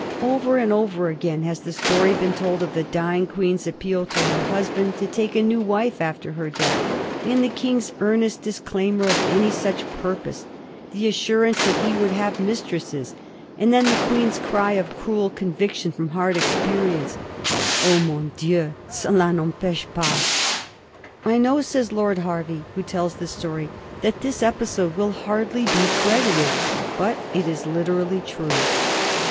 Over and over again has the story been told of the dying Queen's appeal to her husband to take a new wife after her death, and the King's earnest disclaimer of any such purpose; the assurance that he would have mistresses, and then the Queen's cry of cruel conviction from hard experience, ^' Ob, mon Dieu, cela n'emp^che pas !"" I know," says Lord Hervey, who tells the story, " that this episode will hardly be credited, but it is literal ly true."